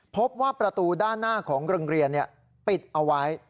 พบว่าประตูด้านหน้าของโรงเรียนปิดเอาไว้